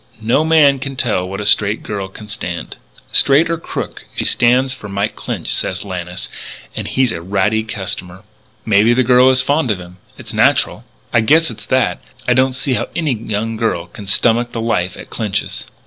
"No man can tell what a straight girl can stand." "Straight or crooked she stands for Mike Clinch," said Lannis, "and he's a ratty customer." "Maybe the girl is fond of him. It's natural." "I guess it's that. But I don't see how any young girl can stomach the life at Clinch's."